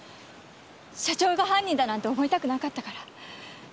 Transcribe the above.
社長が犯人だなんて思いたくなかったから。